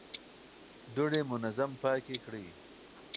دوړې منظم پاکې کړئ.